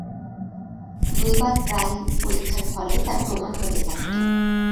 দৈবাৎ প্রায়ই পরীক্ষার ফলে তার প্রমাণ হতে থাকত।